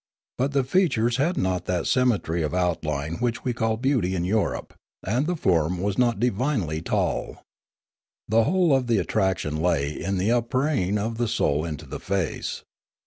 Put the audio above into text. But the features had not that symmetry of outline which we call beauty in Europe; and the form was not " divinely tall." The whole of the attraction lay in the upraying of the soul into the face.